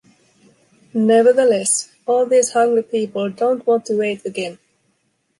Nevertheless, all these hungry people don’t want to wait again.